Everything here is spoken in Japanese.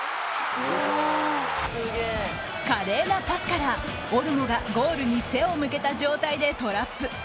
華麗なパスからオルモがゴールに背を向けた状態でトラップ。